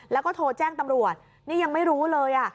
แล้วก็โทรแจ้งตำรวจนี่ยังไม่รู้เลย